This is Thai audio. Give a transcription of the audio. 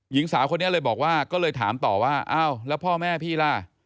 หญิงสาวคนนี้เลยบอกว่าก็เลยถามต่อว่าอ้าวแล้วพ่อแม่พี่ล่ะ